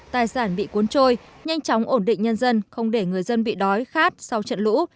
tài sản bị cuốn trôi nhanh chóng ổn định nhân dân không để người dân bị đói khát sau trận lũ